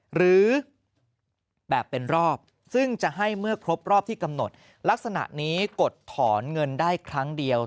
หรือแบบเป็นรอบซึ่งจะให้เมื่อครบรอบที่กำหนดลักษณะนี้กดถอนเงินได้ครั้งเดียว